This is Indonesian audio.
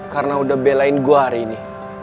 karena udah belain gue hari ini